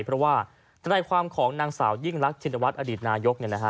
เพราะว่าทนายความของนางสาวยิ่งรักชินวัฒนอดีตนายก